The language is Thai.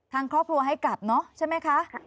ทางครอบครัวให้กลับเนอะใช่ไหมคะ